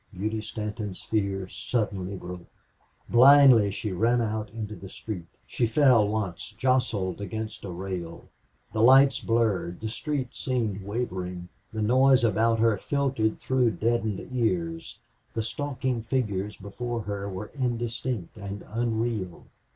Beauty Stanton's fear suddenly broke. Blindly she ran out into the street. She fell once jostled against a rail. The lights blurred; the street seemed wavering; the noise about her filtered through deadened ears; the stalking figures before her were indistinct and unreal.